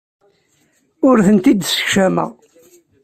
Ur tent-id-ssekcameɣ.